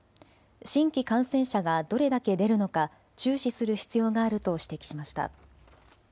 新規感染者がどれだけ出るのか注視する必要があると指摘しました。